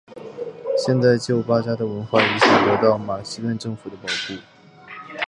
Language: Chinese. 现在旧巴扎的文化遗产得到马其顿政府的保护。